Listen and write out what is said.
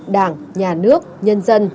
đảng nhà nước nhân dân